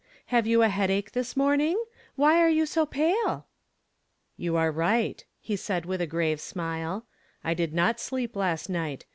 Have you a headache this morning? Why are you so pale ?"" You are right," he said with a grave smile ; "I did not sleep last night.